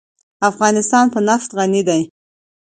افغانستان په نفت غني دی.